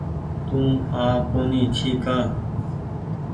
تو آ ڪونيٚ ڇي ڪآ۔